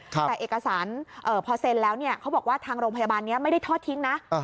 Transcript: แต่เอกสารพอเซ็นแล้วเขาบอกว่าทางโรงพยาบาลนี้ไม่ได้ทอดทิ้งนะ